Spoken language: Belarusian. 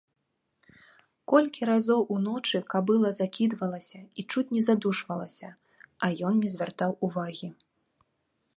Колькі разоў уночы кабыла закідвалася і чуць не задушвалася, а ён не звяртаў увагі.